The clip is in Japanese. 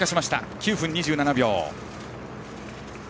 ９分２７秒。